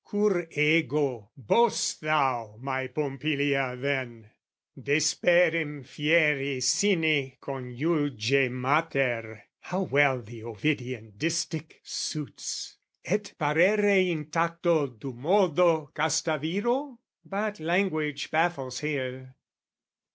Cur ego, boast thou, my Pompilia, then, Desperem fieri sine conjuge Mater how well the Ovidian distich suits! Et parere intacto dummodo Casta viro? but language baffles here.